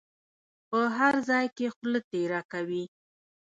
په هر ځای کې خوله تېره کوي.